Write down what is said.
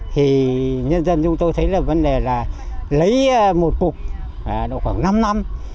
thì nhân dân chúng tôi thấy là vấn đề là lấy một cục độ khoảng năm năm